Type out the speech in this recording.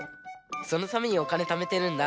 そのためにおかねためてるんだ。